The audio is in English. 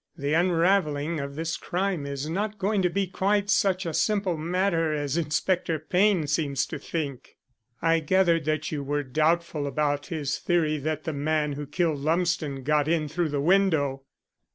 The unravelling of this crime is not going to be quite such a simple matter as Inspector Payne seems to think." "I gathered that you were doubtful about his theory that the man who killed Lumsden got in through the window."